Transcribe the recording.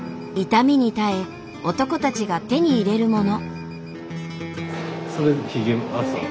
痛みに耐え男たちが手に入れるもの。